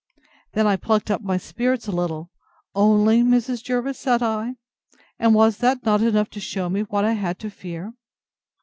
Then I plucked up my spirits a little. Only! Mrs. Jervis? said I; and was not that enough to shew me what I had to fear?